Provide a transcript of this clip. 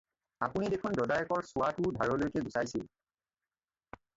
আপুনি দেখোন দদায়েকৰ চুৱাটোও ধাৰকৈহে গুচাইছিল।